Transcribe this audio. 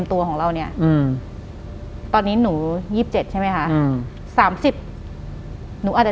หลังจากนั้นเราไม่ได้คุยกันนะคะเดินเข้าบ้านอืม